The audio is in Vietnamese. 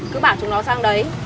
cứ bảo chúng nó sang đấy